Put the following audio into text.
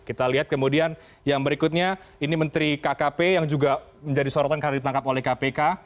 kita lihat kemudian yang berikutnya ini menteri kkp yang juga menjadi sorotan karena ditangkap oleh kpk